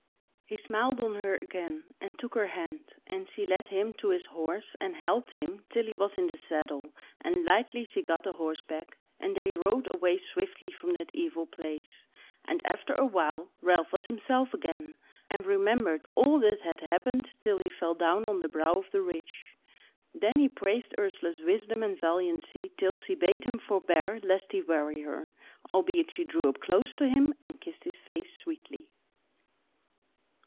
He smiled on her again and took her hand, and she led him to his horse, and helped him till he was in the saddle and lightly she gat a horseback, and they rode away swiftly from that evil place; and after a while Ralph was himself again, and remembered all that had happened till he fell down on the brow of the ridge. Then he praised Ursula's wisdom and valiancy till she bade him forbear lest he weary her. Albeit she drew up close to him and kissed his face sweetly.